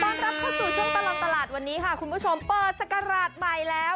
รับเข้าสู่ช่วงตลอดตลาดวันนี้ค่ะคุณผู้ชมเปิดศักราชใหม่แล้ว